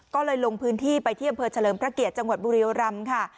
ก็เลยลงพื้นที่ไปที่อำเภอเฉลิมพระเกียรติจังหวัดบุรียรำค่ะ